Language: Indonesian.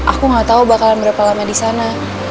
aku nggak tahu bakalan berapa lama di sana